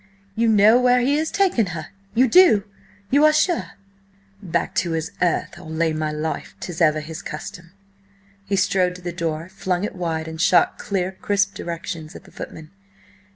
"You know where he has taken her? You do? You are sure?" "Back to his earth, I'll lay my life; 'tis ever his custom." He strode to the door, flung it wide and shot clear, crisp directions at the footman.